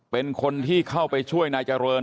เป็นคนที่เข้าไปช่วยนายเจริญ